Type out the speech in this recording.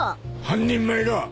半人前が。